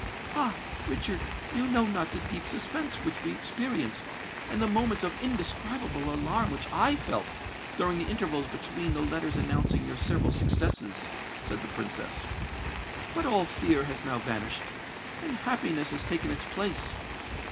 "Ah! Richard, you know not the deep suspense which we experienced, and the moments of indescribable alarm which I felt, during the intervals between the letters announcing your several successes," said the Princess. "But all fear has now vanished—and happiness has taken its place.